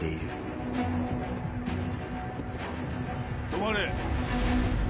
止まれ。